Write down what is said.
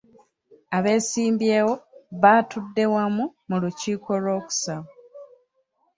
Abeesimbyewo baatudde wamu mu lukiiko lw'okusaba.